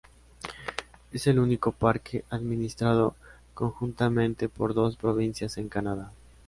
Es el único parque administrado conjuntamente por dos provincias en Canadá.